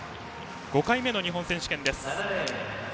５回目の日本選手権です。